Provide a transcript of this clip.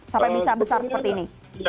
sampai bisa besar seperti ini